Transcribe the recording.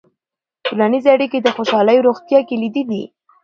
ټولنیزې اړیکې د خوشحالۍ او روغتیا کلیدي دي.